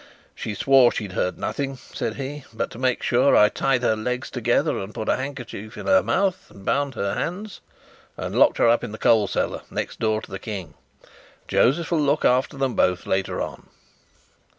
"She swore she'd heard nothing," said he; "but to make sure I tied her legs together and put a handkerchief in her mouth and bound her hands, and locked her up in the coal cellar, next door to the King. Josef will look after them both later on."